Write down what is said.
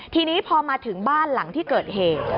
ทีนี้พอมาถึงบ้านหลังที่เกิดเหตุ